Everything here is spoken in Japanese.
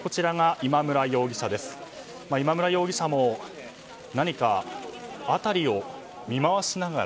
今村容疑者も何か辺りを見回しながら。